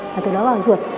và từ đó vào ruột